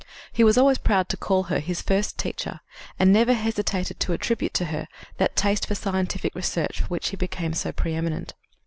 He was always proud to call her his first teacher, and never hesitated to attribute to her that taste for scientific research for which he became so preëminent.